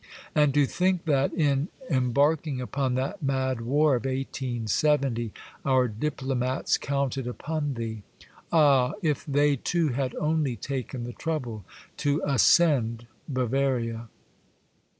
And to think that, in embarking upon that mad war of 1870, our diplomats counted upon thee ! Ah ! if they too had only taken the trouble to ascend Bavaria.